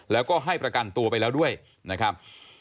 แล้วก็ให้ประกันตัวไปแล้วด้วยนะครับ